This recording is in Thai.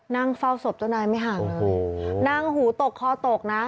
นั่งเฝ้าศพเจ้านายไม่ห่างเลยนั่งหูตกคอตกนะ